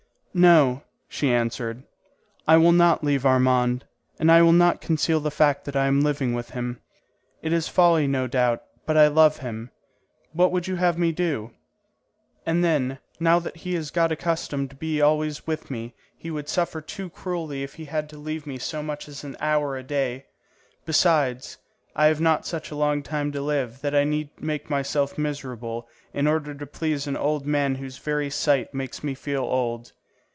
"No," she answered, "I will not leave Armand, and I will not conceal the fact that I am living with him. It is folly no doubt, but I love him. What would you have me do? And then, now that he has got accustomed to be always with me, he would suffer too cruelly if he had to leave me so much as an hour a day. Besides, I have not such a long time to live that I need make myself miserable in order to please an old man whose very sight makes me feel old.